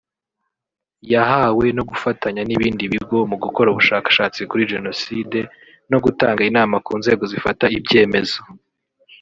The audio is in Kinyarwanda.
yahawe no gufatanya n’ibindi bigo mu gukora ubushakashatsi kuri Jenoside no gutanga inama ku nzego zifata ibyemezo